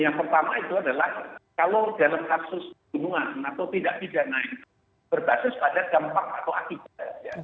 yang pertama itu adalah kalau dalam kasus pembunuhan atau tidak pidana itu berbasis pada dampak atau akibat